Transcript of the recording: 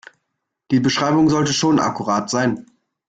Die Beschreibung sollte schon akkurat sein.